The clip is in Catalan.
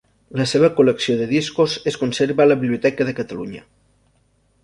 La seva col·lecció de discos es conserva a la Biblioteca de Catalunya.